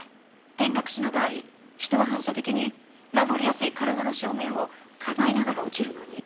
転落死の場合人は反射的に守りやすい体の正面をかばいながら落ちるのに。